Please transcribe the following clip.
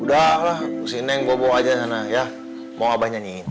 sudahlah si neng bobo aja sana ya mau abah nyanyiin